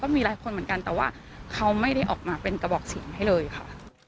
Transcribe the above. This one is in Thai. มีหลายคนเหมือนกันแต่ว่าเขาไม่ได้ออกมาเป็นกระบอกเสียงให้เลยค่ะ